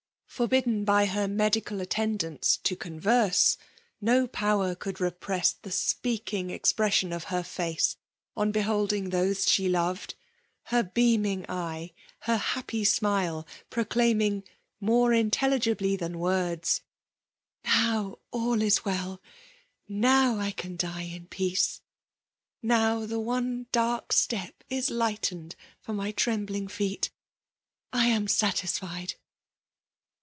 Forbidden by her medical attendants to con verse, no power could, repress the speaking expression of her face on beholding those she loved; — ^her beaming eye — her happy smile, proclaiming, more intelligibly than wordsy ^'* Now all is well — now I can die in peace,*— now the one dark step is lightened for my trembling feet. I am satisfied.